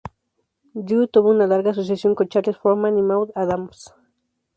Drew tuvo una larga asociación con Charles Frohman y Maude Adams.